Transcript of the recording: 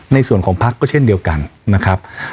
ในส่วนของพักก็เช่นเดียวกันนะครับ